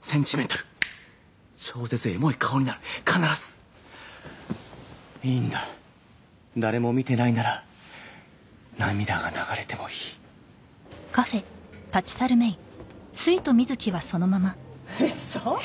センチメンタル超絶エモい顔になる必ずいいんだ誰も見てないなら涙が流れてもいいウソ？